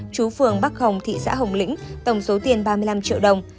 chú phường bắc hồng thị xã hồng lĩnh tổng số tiền ba mươi năm triệu đồng